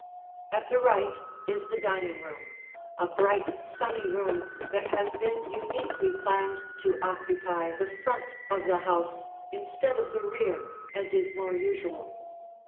[Illustration: The Dining Room] At the right is the dining room, a bright, sunny room that has been uniquely planned to occupy the front of the house instead of the rear, as is more usual.